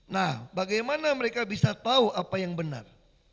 nah bagaimana mereka bisa tahu apa yang benar